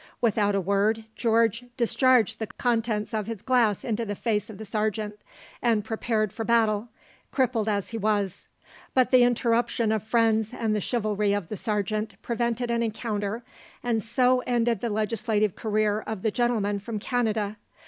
Without a word George discharged the contents of his glass into the face of the sergeant, and prepared for battle, crippled as he was; but the interruption of friends and the chivalry of the sergeant prevented an encounter, and so ended the legislative career of the gentleman from Canada.